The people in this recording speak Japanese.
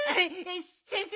先生！